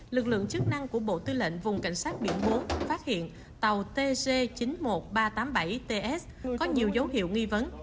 lực lượng chức năng của bộ tư lệnh vùng cảnh sát biển bốn phát hiện tàu tc chín mươi một nghìn ba trăm tám mươi bảy ts có nhiều dấu hiệu nghi vấn